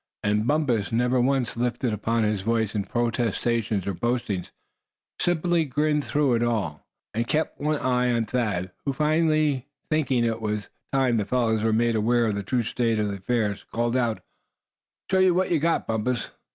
And Bumpus never once lifted up his voice in protestations or boastings, simply grinned through it all, and kept one eye on Thad; who finally thinking it was time the fellows were made aware of the true state of affairs, called out: "Show what you've got, Bumpus!"